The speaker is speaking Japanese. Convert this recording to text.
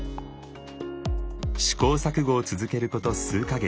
試行錯誤を続けること数か月。